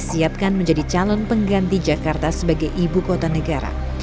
selain memiliki risiko minimal terhadap kota negara